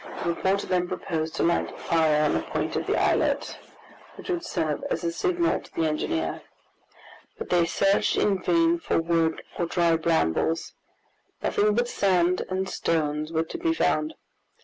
The reporter then proposed to light a fire on a point of the islet, which would serve as a signal to the engineer. But they searched in vain for wood or dry brambles; nothing but sand and stones were to be found.